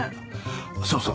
そうそう。